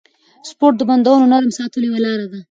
سپورت د بندونو نرم ساتلو یوه لاره ده.